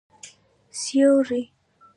سیوری